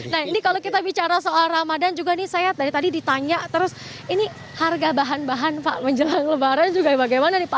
nah ini kalau kita bicara soal ramadan juga nih saya dari tadi ditanya terus ini harga bahan bahan pak menjelang lebaran juga bagaimana nih pak